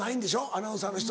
アナウンサーの人。